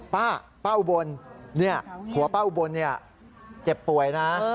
ป้าเป้าบนหัวป้าอุบลเจ็บป่วยนะ